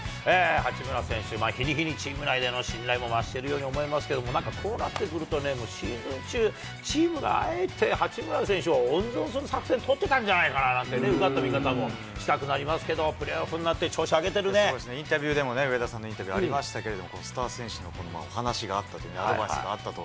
八村選手、日に日にチーム内での信頼も増しているように思いますけれども、なんかこうなってくるとね、シーズン中、チームがあえて八村選手を温存する作戦、取ってたんじゃないかななんて、うがった見方したくなりますけど、上田さんのインタビューありましたけれども、スター選手の話があったと、アドバイスがあったと。